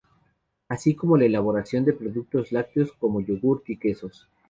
Así como la elaboración de productos lácteos como yogurt y quesos.